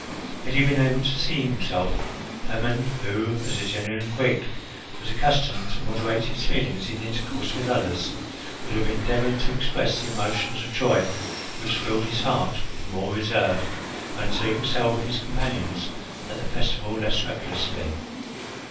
Had he been able to see himself, Hermon, who, as a genuine Greek, was accustomed to moderate his feelings in intercourse with others, would have endeavoured to express the emotions of joy which filled his heart with more reserve, and to excel his companions at the festival less recklessly.